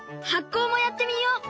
こうもやってみよう！